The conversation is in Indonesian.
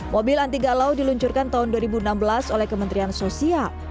mobil anti galau diluncurkan tahun dua ribu enam belas oleh kementerian sosial